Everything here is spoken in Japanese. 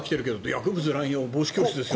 薬物乱用防止教室ですって。